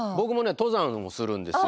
登山をするんですよ。